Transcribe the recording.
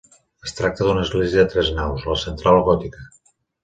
Es tracta d'una església de tres naus, la central gòtica.